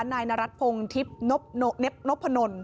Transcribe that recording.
นายนรัฐพงทิพย์เน็บนพนล